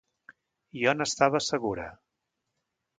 Jo n'estava segura.